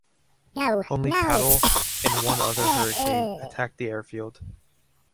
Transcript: Only Pattle and one other Hurricane attacked the airfield.